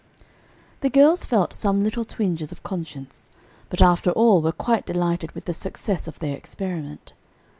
The girls felt some little twinges of conscience, but, after all, were quite delighted with the success of their experiment.